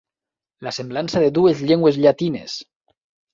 La semblança de dues llengües llatines.